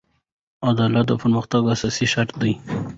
عدالت د پرمختګ اساسي شرط دی.